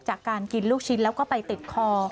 จากการกินลูกชิ้นแล้วก็ไปติดคอ